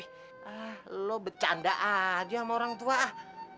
ah lo bercanda aja sama orang tua ah